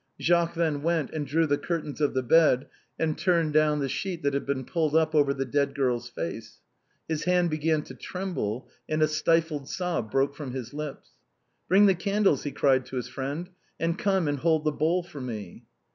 Jacques then went and drew the curtains of the bed and turned down the sheet that had been pulled up over the dead girl's face. His hand began to tremble and a stifled sob broke from his lips. "Bring the candles," he cried to his friend, "and come and hold the bowl for me."